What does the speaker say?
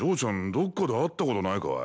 どっかで会ったことないかい？